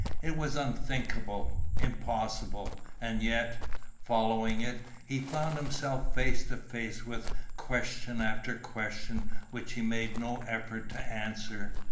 It was unthinkable impossible; and yet, following it, he found himself face to face with question after question which he made no effort to answer.